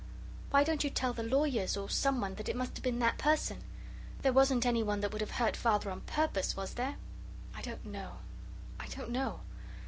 Why don't you tell the lawyers, or someone, that it must have been that person? There wasn't anyone that would have hurt Father on purpose, was there?" "I don't know I don't know.